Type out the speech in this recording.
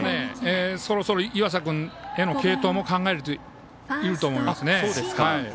そろそろ岩佐君への継投を考えてもいいと思います。